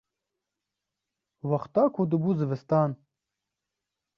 wexta ku dibû zivistan